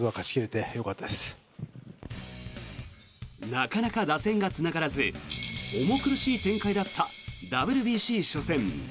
なかなか打線がつながらず重苦しい展開だったＷＢＣ初戦。